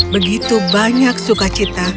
begitu banyak sukacita